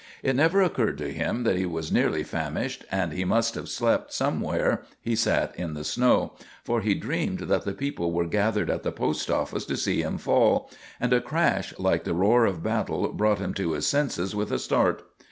It never occurred to him that he was nearly famished, and he must have slept some where he sat in the snow, for he dreamed that the people were gathered at the post office to see him fall, and a crash like the roar of battle brought him to his senses with a start.